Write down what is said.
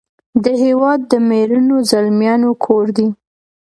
د هیواد د میړنو زلمیانو کور دی .